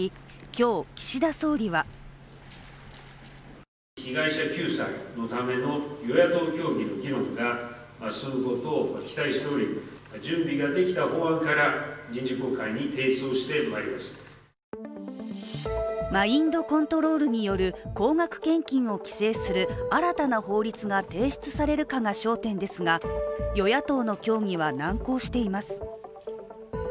今日、岸田総理はマインドコントロールによる高額献金を規制する新たな法律が提出されるかが焦点ですが与野党の協議は難航しています。